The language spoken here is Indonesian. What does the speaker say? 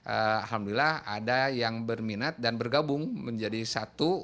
alhamdulillah ada yang berminat dan bergabung menjadi satu